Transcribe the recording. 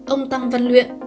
ông tăng văn luyện